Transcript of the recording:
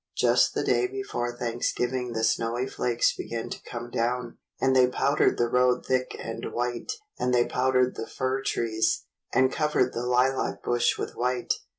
Just the day before Thanksgiving the snowy flakes began to come down, and they powdered the road thick and white, and they powdered the fir trees, and covered the hlac bush with white.